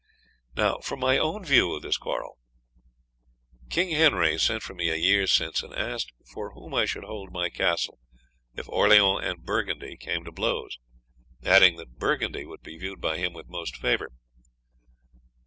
"Now for my own view of this quarrel. King Henry sent for me a year since, and asked for whom I should hold my castle if Orleans and Burgundy came to blows, adding that Burgundy would be viewed by him with most favour.